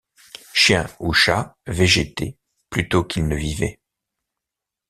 Chiens ou chats végétaient plutôt qu’ils ne vivaient.